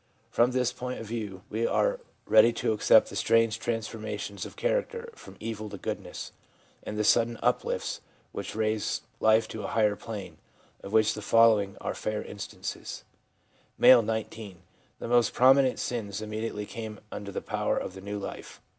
From this point of view we are ready to accept the strange transformations of character from evil to goodness, and the sudden uplifts which raise life to a higher plane, of which the following are fair instances: M., 19. 'The most prominent sins immediately came under the power of the new life.